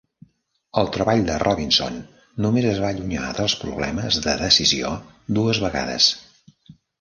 El treball de Robinson només es va allunyar dels problemes de decisió dues vegades.